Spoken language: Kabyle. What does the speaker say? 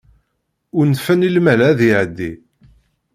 Unfen i lmal ad iɛeddi.